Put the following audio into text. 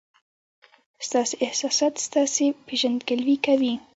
ستاسي احساسات ستاسي پېژندګلوي کوي.